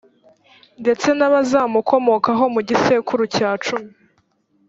ndetse n’abazamukomokaho mu gisekuru cya cumi,